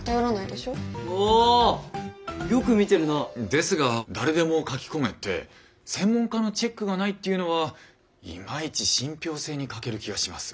ですが誰でも書き込めて専門家のチェックがないっていうのはいまいち信ぴょう性に欠ける気がします。